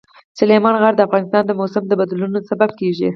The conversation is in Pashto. سلیمان غر د افغانستان د موسم د بدلون سبب کېږي.